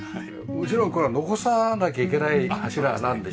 もちろんこれは残さなきゃいけない柱なんでしょ？